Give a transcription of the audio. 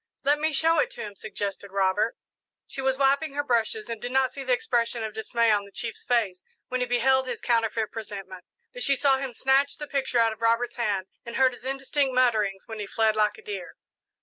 "Let me show it to him," suggested Robert. She was wiping her brushes and did not see the expression of dismay on the chief's face when he beheld his counterfeit presentment, but she saw him snatch the picture out of Robert's hand and heard his indistinct mutterings when he fled like a deer.